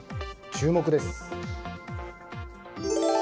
注目です。